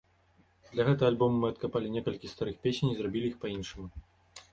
Для гэтага альбому мы адкапалі некалькі старых песень і зрабілі іх па-іншаму.